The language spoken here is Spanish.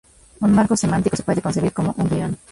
Un marco semántico se puede concebir como un guion.